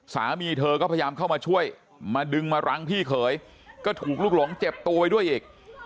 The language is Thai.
สามีเธอก็พยายามเข้ามาช่วยมาดึงมารั้งพี่เขยก็ถูกลูกหลงเจ็บตัวไปด้วยอีก